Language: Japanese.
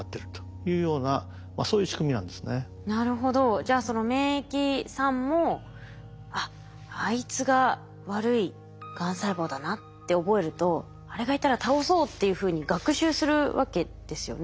じゃあその免疫さんも「あっあいつが悪いがん細胞だな」って覚えるとあれがいたら倒そうっていうふうに学習するわけですよね。